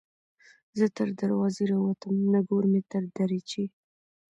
ـ زه تر دروازې راوتم نګور مې تر دريچې